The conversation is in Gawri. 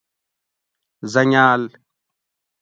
حٔنگاۤل